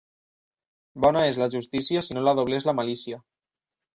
Bona és la justícia si no la doblés la malícia.